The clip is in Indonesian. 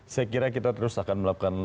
saya kira kita terus akan melakukan